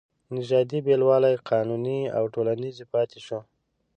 نژادي بېلوالی قانوني او ټولنیز پاتې شو.